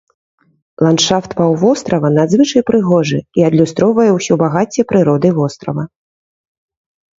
Ландшафт паўвострава надзвычай прыгожы і адлюстроўвае ўсё багацце прыроды вострава.